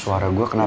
suara gue kenapa